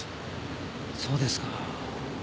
そうですか。